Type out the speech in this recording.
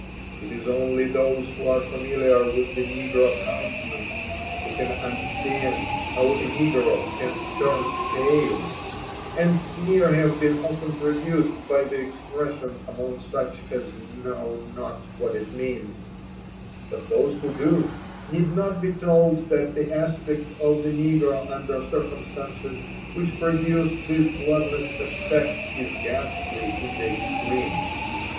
It is only those'^who are {amiliar with the negro countenance who can understand bow a negro can turn pale, and sneers have heen often produced by the expression among such as know not what it means ; but those who do» need not be told that the aspect of the negro under circumstances which produce this bloodless effect is ghastly in the extreme.